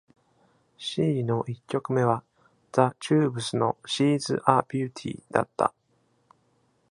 「シー」の一曲目は、ザ・チューブスの「シーズ・ア・ビューティー」だった。